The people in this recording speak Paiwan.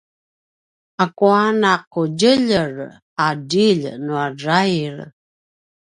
akua naqudjeljer a djilj nua drail?